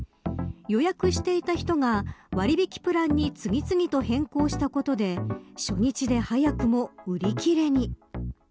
予約していた人が割引プランに次々と変更したことで初日で早くも売り切れに。